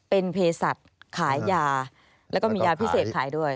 เป็นเพศัตริย์ขายยาแล้วก็มียาพิเศษขายด้วย